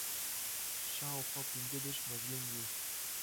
شاوخوا پنځه دېرش منظوم او